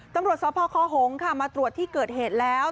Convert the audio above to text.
ตำรวจสพคหงค่ะมาตรวจที่เกิดเหตุแล้ว